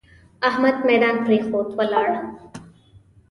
احمد ميدان پرېښود؛ ولاړ.